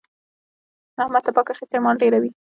احمد تپاک اخيستی دی؛ مال ډېروي.